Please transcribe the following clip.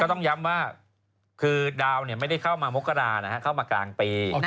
ต้องย้ำว่าคือดาวไม่ได้เข้ามามกรานะฮะเข้ามากลางปี